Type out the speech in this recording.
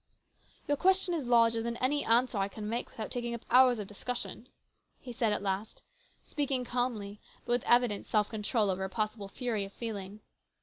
" Your question is larger than any answer I can make without taking up hours of discussion," he said at last, speaking calmly, but with evident self control over a possible fury of feeling.